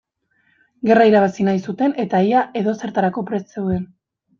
Gerra irabazi nahi zuten eta ia edozertarako prest zeuden.